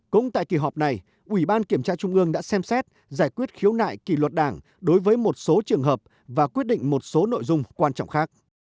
cũng tại kỳ họp này ủy ban kiểm tra trung ương đã xem xét giải quyết khiếu nại kỷ luật đảng đối với một số trường hợp và quyết định một số nội dung quan trọng khác